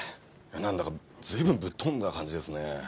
なんだか随分ぶっ飛んだ感じですね。